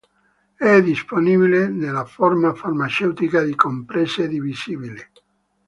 È disponibile nella forma farmaceutica di compresse divisibili.